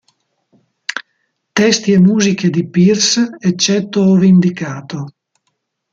Testi e musiche di Pearce, eccetto ove indicato.